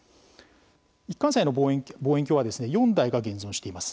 一貫斎の望遠鏡は４台が現存しています。